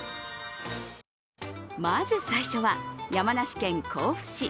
まず最初は、山梨県甲府市。